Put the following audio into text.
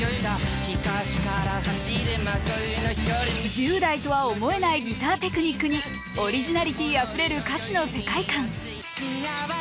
１０代とは思えないギターテクニックにオリジナリティあふれる歌詞の世界観。